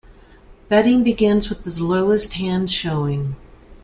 Betting begins with the lowest hand showing.